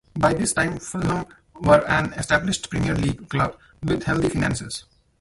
By this time, Fulham were an established Premier League club with healthy finances.